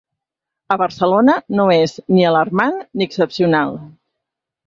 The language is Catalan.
A Barcelona no és ‘ni alarmant ni excepcional’